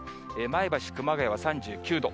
前橋、熊谷は３９度。